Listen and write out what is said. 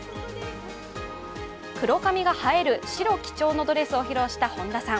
黒髪が映える白基調のドレスを披露した本田さん。